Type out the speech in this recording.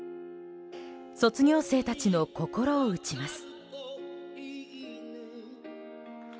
卒業生たちの心を打ちます。